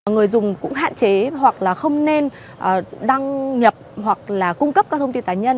người dùng cũng hạn chế hoặc là không nên đăng nhập hoặc là cung cấp các thông tin cá nhân